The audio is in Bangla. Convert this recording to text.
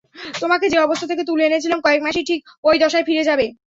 তোমাকে যে অবস্থা থেকে তুলে এনেছিলাম, কয়েক মাসেই ঠিক ঐ দশায় ফিরে যাবে।